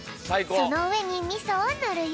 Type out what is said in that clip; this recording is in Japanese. そのうえにみそをぬるよ。